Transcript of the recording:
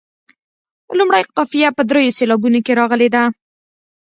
لومړۍ قافیه په دریو سېلابونو کې راغلې ده.